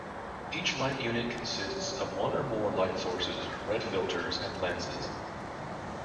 Each light unit consists of one or more light sources, red filters and lenses.